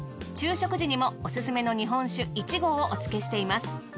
昼食時にもオススメの日本酒１合をお付けしています。